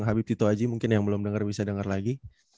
habib tito aji mungkin yang belum dengar bisa dengar lagi